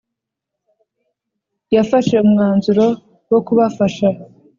yafashe umwanzuro wo kubafasha